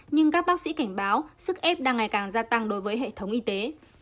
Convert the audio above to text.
nhưng các bác sĩ cảnh báo sức ép đang ngày càng gia tăng đối với hệ thống y tế